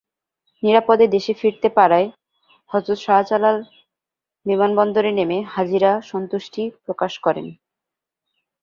নিরাপদে দেশে ফিরতে পারায় হজরত শাহজালাল বিমানবন্দরে নেমে হাজিরা সন্তুষ্টি প্রকাশ করেন।